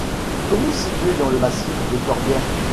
Commune située dans le massif des Corbières.